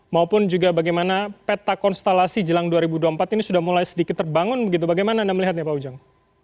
maupun juga bagaimana peta konstelasi jelang dua ribu dua puluh empat ini sudah mulai sedikit terbangun begitu bagaimana anda melihatnya pak ujang